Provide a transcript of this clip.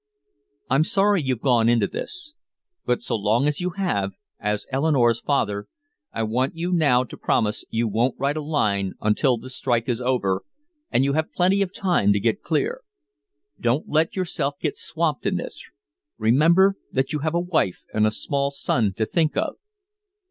I'm sorry you've gone into this but so long as you have, as Eleanore's father, I want you now to promise you won't write a line until the strike is over and you have had plenty of time to get clear. Don't let yourself get swamped in this remember that you have a wife and a small son to think of."